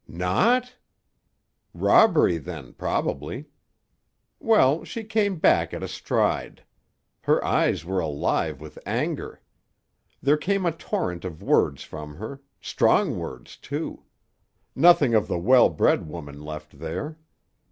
"Not? Robbery, then, probably. Well, she came back at a stride. Her eyes were alive with anger. There came a torrent of words from her; strong words, too. Nothing of the well bred woman left there.